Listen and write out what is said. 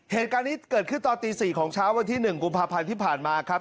เหตุการณ์นี้เกิดขึ้นตอนตี๔ของเช้าวันที่๑กุมภาพันธ์ที่ผ่านมาครับ